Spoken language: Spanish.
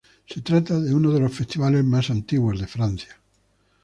Se trata de uno de los festivales más antiguos de Francia.